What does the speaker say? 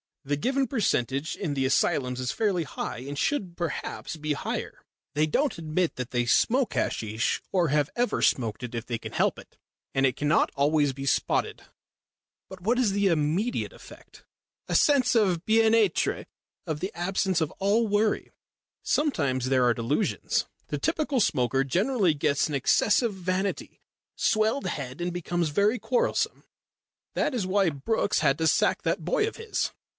The given percentage in the asylums is fairly high, and should perhaps be higher. They don't admit that they smoke hasheesh or have ever smoked it if they can help it, and it cannot always be spotted." "But what is the immediate effect?" "A sense of bien étre, of the absence of all worry. Sometimes there are delusions. The typical smoker generally gets an excessive vanity swelled head and becomes very quarrelsome. That is why Brookes had to sack that boy of his."